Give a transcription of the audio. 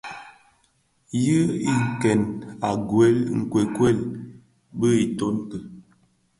Nyi kèn gwed nkuekued bi itön ki.